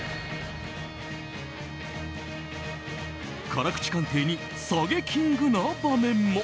辛口鑑定にサゲＫＩＮＧな場面も。